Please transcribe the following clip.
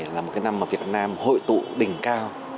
là một cái năm mà việt nam hội tụ đỉnh cao